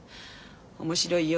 「面白いよ